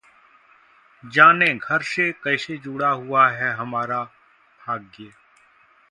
जानें, घर से कैसे जुड़ा हुआ है हमारा भाग्य